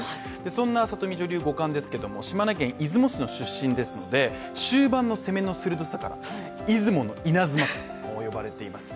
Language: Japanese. そんな里見女流五冠ですけれども島根県出雲市の出身ですので終盤の攻めの鋭さから出雲のイナズマと呼ばれています。